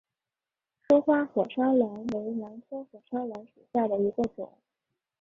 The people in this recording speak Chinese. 疏花火烧兰为兰科火烧兰属下的一个种。